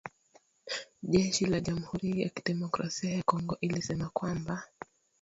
jeshi la jamhuri ya kidemokrasia ya Kongo lilisema kwamba